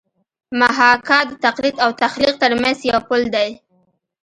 محاکات د تقلید او تخلیق ترمنځ یو پل دی